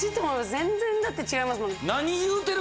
全然だって違いますもん。